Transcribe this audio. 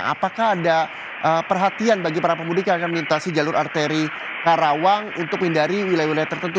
apakah ada perhatian bagi para pemudik yang akan melintasi jalur arteri karawang untuk menghindari wilayah wilayah tertentu